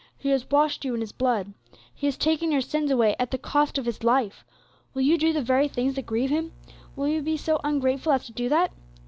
He has washed you in His blood; He has taken your sins away at the cost of His life. Will you do the very things that grieve Him? Will you be so ungrateful as to do that?